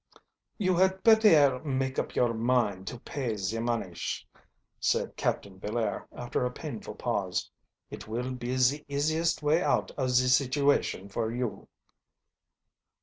"You had bettair make up your mind to pay ze monish," said Captain Villaire, after a painful pause. "It will be ze easiest way out of ze situation for you."